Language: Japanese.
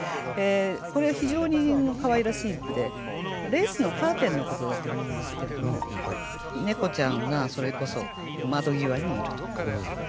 これ非常にかわいらしい句でレースのカーテンのことだと思うんですけれども猫ちゃんがそれこそ窓際にいると。